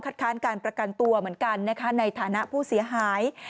ค้านการประกันตัวเหมือนกันนะคะในฐานะผู้เสียหาย